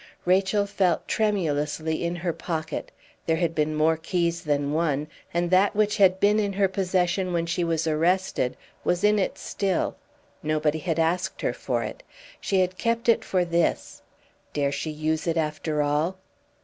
Rachel felt tremulously in her pocket; there had been more keys than one, and that which had been in her possession when she was arrested was in it still. Nobody had asked her for it; she had kept it for this; dare she use it after all?